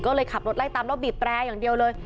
ก็เลยขับรถไล่ตามแล้วบีบแตรอย่างเดียวเลย